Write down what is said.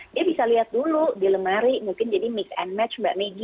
dia bisa lihat dulu di lemari mungkin jadi mix and match mbak megi